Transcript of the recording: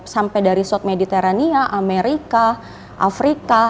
sampai dari south mediterania amerika afrika